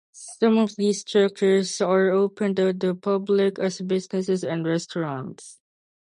Some of these structures are open to the public as businesses and restaurants.